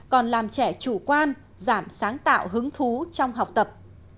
còn làm trẻ chủ quan giảm sáng tạo hứng thú trong học tập